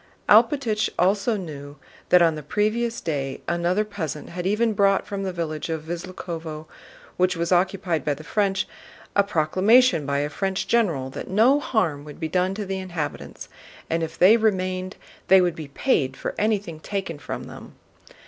Alpátych also knew that on the previous day another peasant had even brought from the village of Visloúkhovo, which was occupied by the French, a proclamation by a French general that no harm would be done to the inhabitants, and if they remained they would be paid for anything taken from them.